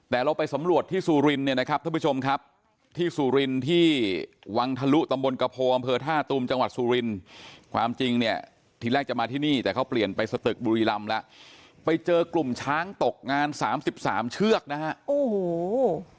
แต่เราไปสำรวจที่สุรินเนี่ยนะครับท่านผู้ชมครับที่สุรินที่วังทะลุตำบลกระโพอำเภอท่าตูมจังหวัดสุรินทร์ความจริงเนี่ยทีแรกจะมาที่นี่แต่เขาเปลี่ยนไปสตึกบุรีรำแล้วไปเจอกลุ่มช้างตกงานสามสิบสามเชือกนะฮะโอ้โห